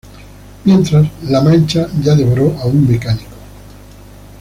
Mientras, la Mancha ya devoró a un mecánico.